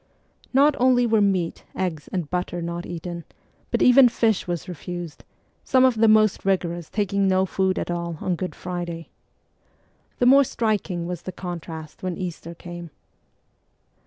Not only were meat, eggs, and butter not eaten, but even fish was refused ; some of the most rigorous taking no food at all on Good Friday. The more striking was the contrast when Easter came.